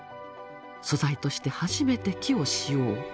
素材として初めて木を使用。